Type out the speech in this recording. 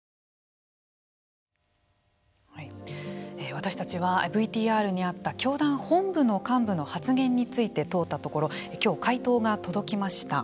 私たちはＶＴＲにあった教団本部の幹部の発言について問うたところ今日回答が届きました。